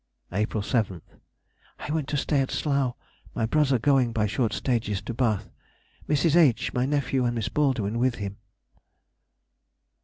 April 7th.—I went to stay at Slough, my brother going by short stages to Bath, Mrs. H., my nephew, and Miss Baldwin with him.